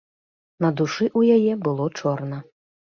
На душы ў яе было чорна.